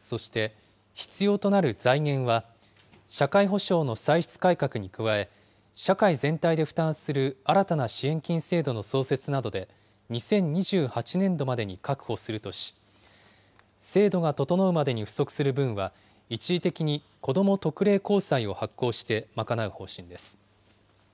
そして、必要となる財源は、社会保障の歳出改革に加え、社会全体で負担する新たな支援金制度の創設などで、２０２８年度までに確保するとし、制度が整うまでに不足する分は、一時的にこども特例公債を発行して、賄う方針です。